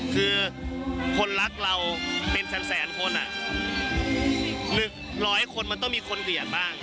คือคนรักเราเป็นแสนคน๑๐๐คนมันต้องมีคนเกลียดบ้าง